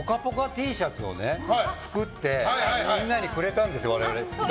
Ｔシャツを作って我々みんなにくれたんですよ。